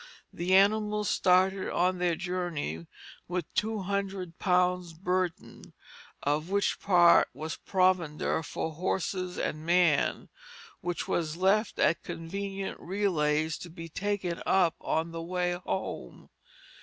The animals started on their journey with two hundred pounds' burden, of which part was provender for horse and man, which was left at convenient relays to be taken up on the way home.